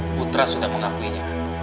putra sudah mengakuinya